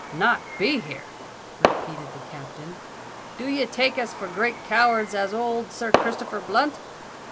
"Not be here!" repeated the Captain. "Do ye take us for as great cowards as ould Sir Christopher Blunt?